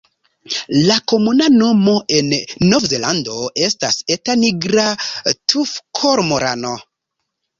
La komuna nomo en Novzelando estas "Eta nigra tufkormorano".